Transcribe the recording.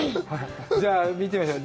じゃあ、見てみましょう。